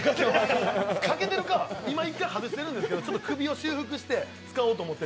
かけてるか、今１回外してるんですけど首を修復して使おうと思ってて。